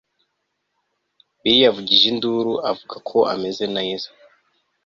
Bill yavugije induru avuga ko ameze neza